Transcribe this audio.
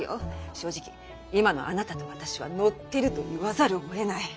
正直今のあなたと私はノッていると言わざるをえない。